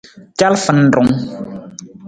Calafarung.